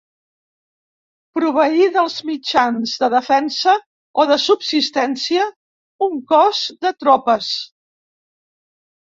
Proveí dels mitjans de defensa o de subsistència un cos de tropes.